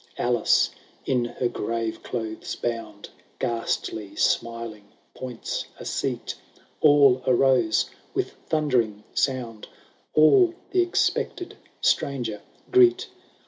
Alice, in her grave clothes bound, Ghastly smiling, points a seat ; All arose, with thundering sound ; All the expected stranger greet.